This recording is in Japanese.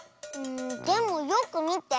でもよくみて。